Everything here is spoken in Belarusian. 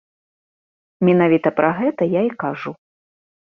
Менавіта пра гэта я і кажу.